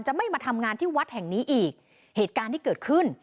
ไม่มาทำงานที่วัดแห่งนี้อีกเหตุการณ์ที่เกิดขึ้น